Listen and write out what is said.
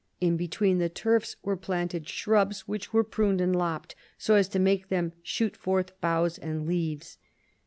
In between the turfs were planted shrubs which were pruned and lopped, so as to make them shoot forth boughs and leaves.